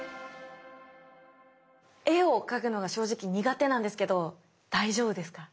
絵を描くのが正直苦手なんですけど大丈夫ですか？